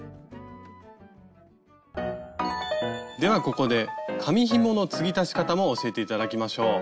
ではここで紙ひもの継ぎ足し方も教えて頂きましょう。